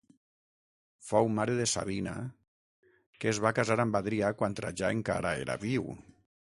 Fou mare de Sabina que es va casar amb Adrià quan Trajà encara era viu.